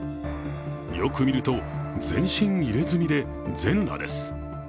よく見ると、全身入れ墨で全裸です。